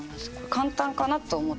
簡単かなと思ってます。